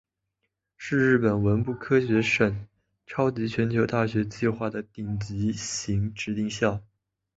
是日本文部科学省超级全球大学计划的顶尖型指定校。